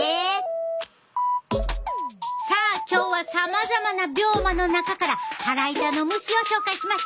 さあ今日はさまざまな病魔の中から腹痛の虫を紹介しました！